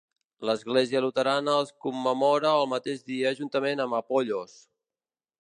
L'Església luterana els commemora el mateix dia juntament amb Apollos.